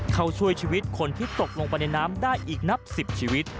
เข้าช่วยชีวิตคนที่ตกลงไปในน้ำได้อีกนับ๑๐ชีวิต